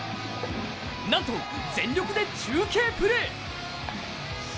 なんと全力で中継プレー。